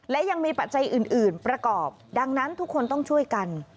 และยังมีปัจจัยอื่นประกอบดังนั้นทุกคนต้องช่วยกัน